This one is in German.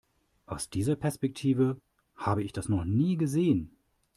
Aus dieser Perspektive habe ich das noch nie gesehen.